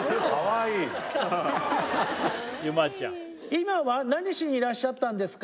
今は何しにいらっしゃったんですか？